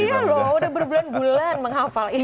iya loh udah berbulan bulan menghafal ini